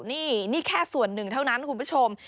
นี่นี่แค่ส่วนหนึ่งเท่านั้นคุณผู้ชม